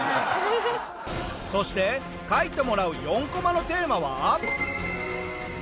そして描いてもらう４コマのテーマは。